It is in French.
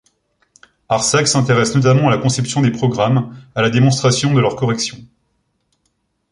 Arsac s'intéresse notamment à la conception des programmes, à la démonstration de leur correction.